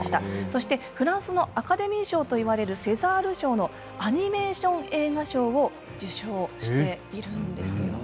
そしてフランスのアカデミー賞といわれるセザール賞のアニメーション映画賞を受賞しています。